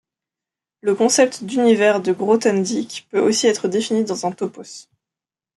Le concept d'univers de Grothendieck peut aussi être défini dans un topos.